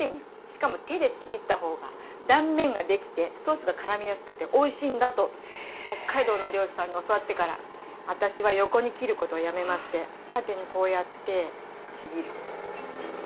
しかも手でちぎった方が断面ができてソースがからみやすくておいしいんだと北海道の漁師さんに教わってから私は横に切ることをやめまして縦にこうやってちぎる。